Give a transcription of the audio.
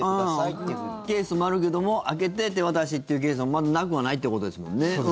というケースもあるけども開けて手渡しっていうケースはまだなくはないってことですもんね。